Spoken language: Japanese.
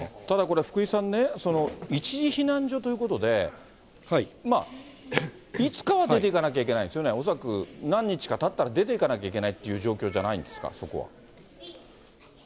ただこれ、福井さんね、一時避難所ということで、いつかは出ていかなきゃいけないんですよね、恐らく何日かたったら、出ていかなきゃいけないっていう状況じゃないんですか、そこは。